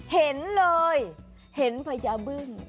เห็นเลยเห็นพญาบึ้ง